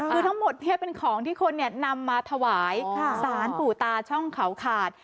คือทั้งหมดเป็นของที่คนนำมาถวายสารปู่ตาช่องเขาขาด